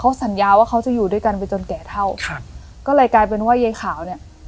สัญญาว่าเขาจะอยู่ด้วยกันไปจนแก่เท่าครับก็เลยกลายเป็นว่ายายขาวเนี้ย